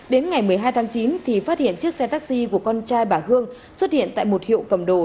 đến ngày một mươi hai tháng chín thì phát hiện chiếc xe taxi của con trai bà hương xuất hiện tại một hiệu cầm đồ